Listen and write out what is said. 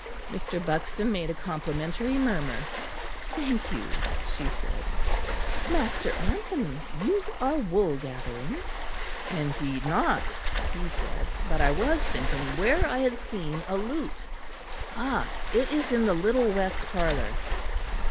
Mr. Buxton made a complimentary murmur. "Thank you," she said, "Master Anthony, you are wool gathering." "Indeed not," he said, "but I was thinking where I had seen a lute. Ah! it is in the little west parlour."